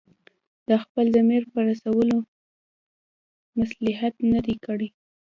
د خپل ضمیر په رسولو مصلحت نه دی کړی.